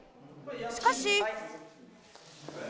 しかし。